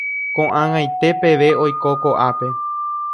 Ko'ag̃aite peve oiko ko'ápe.